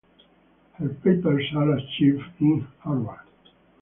Her papers are archived in Harvard.